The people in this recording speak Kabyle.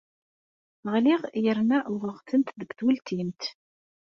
Ɣliɣ yerna uɣeɣ-tent deg tweltimt.